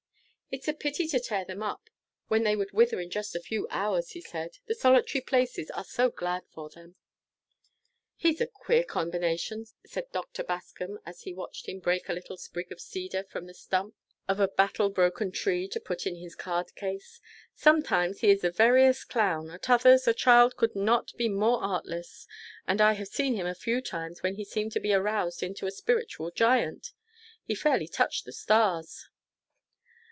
"It's a pity to tear them up, when they would wither in just a few hours," he said; "the solitary places are so glad for them." "He's a queer combination," said Dr. Bascom, as he watched him break a little sprig of cedar from the stump of a battle broken tree to put in his card case. "Sometimes he is the veriest clown; at others, a child could not be more artless; and I have seen him a few times when he seemed to be aroused into a spiritual giant. He fairly touched the stars."